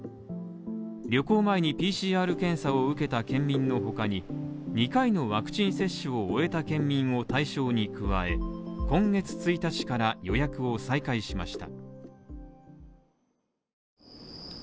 旅行前にＰＣＲ検査を受けた県民のほかに、２回のワクチン接種を終えた県民を対象に加え、今月１日から予約を再開しました。